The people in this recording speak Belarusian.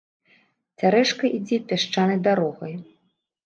Цярэшка ідзе пясчанай дарогай.